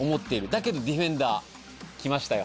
だけどディフェンダーきましたよ。